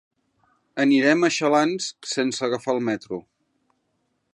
Anirem a Xalans sense agafar el metro.